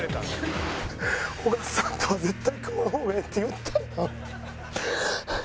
尾形さんとは絶対組まん方がええって言ったやん。